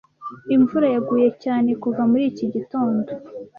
Imvura yaguye cyane kuva muri iki gitondo,